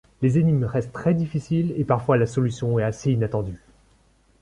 Les énigmes restent très difficiles et parfois la solution est assez inattendue.